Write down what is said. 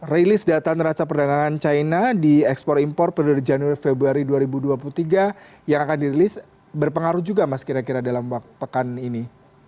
rilis data neraca perdagangan china di ekspor impor pada januari februari dua ribu dua puluh tiga yang akan dirilis berpengaruh juga mas kira kira dalam pekan ini